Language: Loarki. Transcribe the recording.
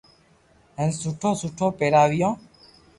ھين سٺو سٺو پيراويو